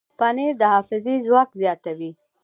پنېر د حافظې ځواک زیاتوي.